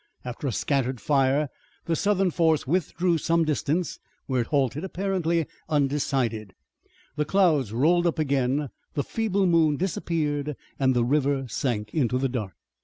After a scattered fire the Southern force withdrew some distance, where it halted, apparently undecided. The clouds rolled up again, the feeble moon disappeared, and the river sank into the dark.